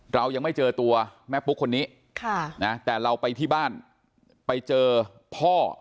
เรายังไม่เจอตัวแม่ปุ๊กคนนี้แต่เราไปที่บ้านไปเจอพ่อ